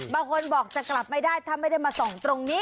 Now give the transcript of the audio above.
บางคนบอกจะกลับไม่ได้ถ้าไม่ได้มาส่องตรงนี้